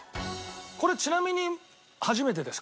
これちなみに初めてですか？